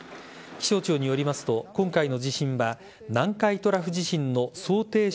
気象庁によりますと今回の地震は南海トラフ地震の想定